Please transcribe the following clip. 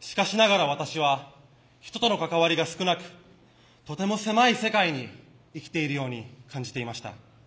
しかしながら私は人との関わりが少なくとても狭い世界に生きているように感じていました。